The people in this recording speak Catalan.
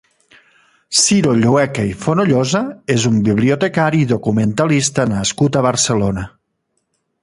Ciro Llueca i Fonollosa és un bibliotecari i documentalista nascut a Barcelona.